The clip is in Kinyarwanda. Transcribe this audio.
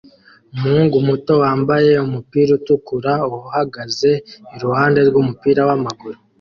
Umuhungu muto wambaye umupira utukura uhagaze iruhande rwumupira wamaguru